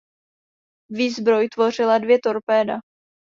Výzbroj tvořila dvě torpéda.